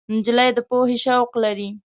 نجلۍ د پوهې شوق لري.